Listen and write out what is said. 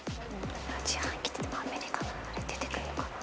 自販機ってでもアメリカのあれ出てくんのかな？